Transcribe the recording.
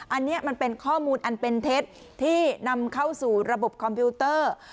อันนี้มันเป็นข้อมูลอันเป็นเท็จที่นำเข้าสู่ระบบคอมพิวเตอร์